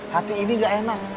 hati ini nggak enak